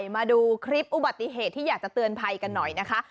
มาดูคลิปอุบัติเหตุที่อยากจะเตือนภัยกันหน่อยนะคะ